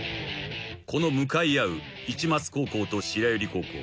［この向かい合う市松高校と白百合高校］